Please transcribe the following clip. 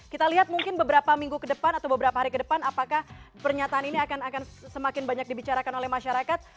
kita lihat mungkin beberapa minggu ke depan atau beberapa hari ke depan apakah pernyataan ini akan semakin banyak dibicarakan oleh masyarakat